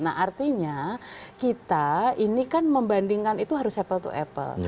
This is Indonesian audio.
nah artinya kita ini kan membandingkan itu harus apple to apple